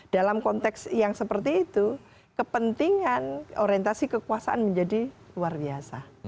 dalam konteks yang seperti itu kepentingan orientasi kekuasaan menjadi luar biasa